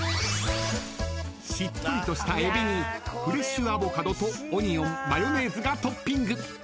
［しっとりとしたえびにフレッシュアボカドとオニオンマヨネーズがトッピング］